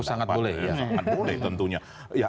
oh sangat boleh boleh tentunya